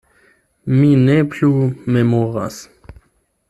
Mi ne plu memoras.